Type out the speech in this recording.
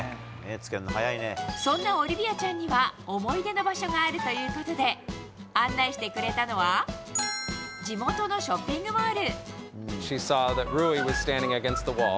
そんなオリビアちゃんには思い出の場所があるということで案内してくれたのは地元のショッピングモール。